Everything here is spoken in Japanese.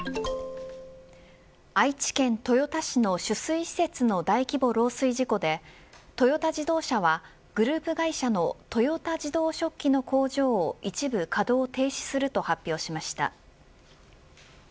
愛知県豊田市の取水施設の大規模漏水事故でトヨタ自動車は、グループ会社の豊田自動織機の工場を一部稼働停止すると発表しました。